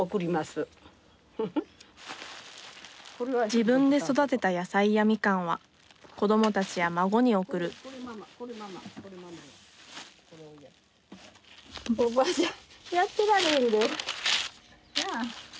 自分で育てた野菜やみかんは子どもたちや孫に送るふん。